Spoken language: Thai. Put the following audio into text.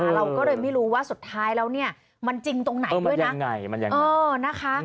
เราก็เลยไม่รู้ว่าสุดท้ายแล้วเนี่ยมันจริงตรงไหนด้วยนะ